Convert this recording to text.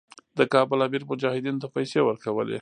د کابل امیر مجاهدینو ته پیسې ورکولې.